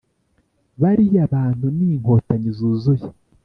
bariya bantu ni inkotanyi zuzuye,